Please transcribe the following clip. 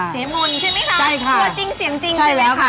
ใช่มั้ยคะหัวจริงเสียงจริงใช่ไหมคะ